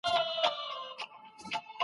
موږ وخت ته ارزښت نه ورکوو.